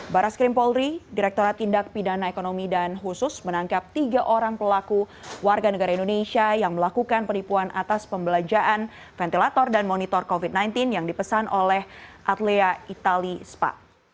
baras krim polri direkturat tindak pidana ekonomi dan khusus menangkap tiga orang pelaku warga negara indonesia yang melakukan penipuan atas pembelanjaan ventilator dan monitor covid sembilan belas yang dipesan oleh atlea itali spa